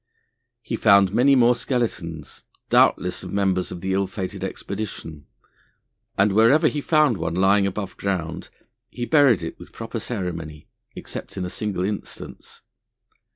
He found many more skeletons, doubtless of members of the ill fated expedition, and wherever he found one lying above ground he buried it with proper ceremony, except in a single instance.